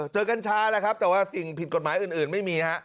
กัญชาแล้วครับแต่ว่าสิ่งผิดกฎหมายอื่นไม่มีฮะ